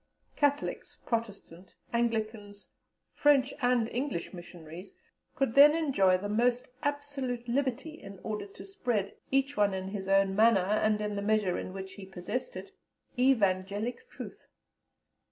Catholics, Protestants, Anglicans, French and English Missionaries, could then enjoy the most absolute liberty in order to spread, each one in his own manner, and in the measure in which he possessed it, evangelic truth.